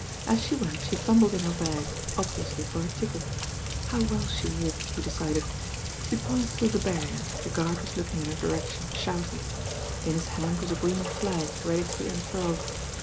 As she went she fumbled in her bag, ob viously for her ticket. How well she walked, he decided. She passed through the barrier, the guard was looking in her direction shouting. In his hand was a green flag ready to be unfurled.